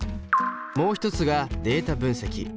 もう一つがデータ分析。